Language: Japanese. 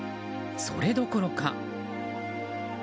それどころか。